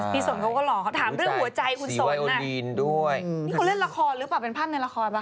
สนเขาก็หล่อเขาถามเรื่องหัวใจคุณสนด้วยนี่เขาเล่นละครหรือเปล่าเป็นภาพในละครป่